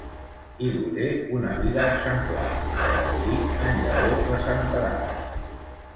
Hi dugué una vida exemplar fins que morí en llaor de santedat.